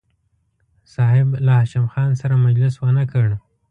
صاحب له هاشم خان سره مجلس ونه کړ.